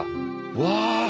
うわ！